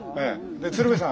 で鶴瓶さん